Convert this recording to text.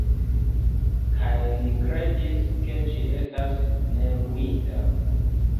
Kaj li kredis, ke ĝi estas neluita.